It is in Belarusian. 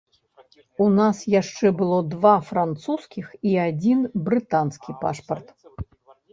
У нас яшчэ было два французскіх і адзін брытанскі пашпарт.